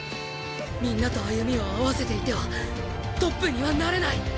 みんなと歩みを合わせていてはトップにはなれない。